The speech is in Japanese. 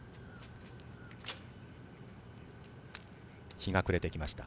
日が暮れてきました。